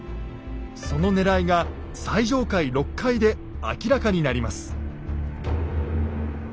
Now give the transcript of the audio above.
そのねらいが最上階６階で明らかになります。